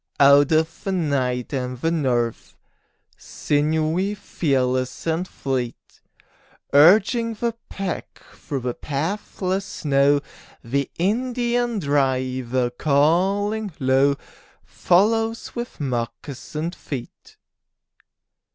Out of the night and the north, Sinewy, fearless and fleet, Urging the pack through the pathless snow, The Indian driver, calling low, Follows with moccasined feet.